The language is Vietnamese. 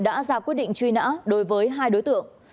đã ra quyết định truy nã đối với hai đối tượng